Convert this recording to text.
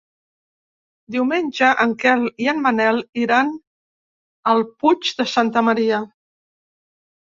Diumenge en Quel i en Manel iran al Puig de Santa Maria.